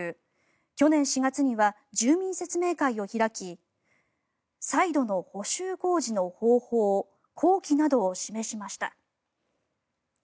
去年４月には住民説明会を開き再度の補修工事の方法工期などを示しました。